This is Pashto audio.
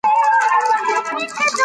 لوستې مور د کورنۍ اړیکې پیاوړې کوي.